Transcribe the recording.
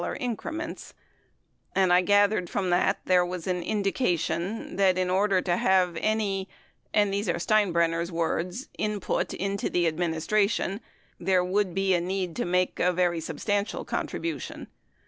And I gather these were in sort of $25,000 increments, and I gathered from that, there was an indication that in order to have any — and these are Steinbrenner's words — "input into the administration," there would be a need to make a very substantial contribution .